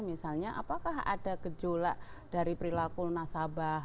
misalnya apakah ada gejolak dari perilaku nasabah